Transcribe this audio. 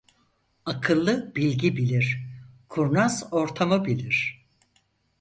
Akıllı bilgi bilir; kurnaz ortamı bilir.